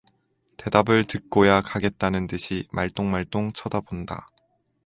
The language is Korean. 대답을 듣고야 가겠다는 듯이 말똥말똥 쳐다본다.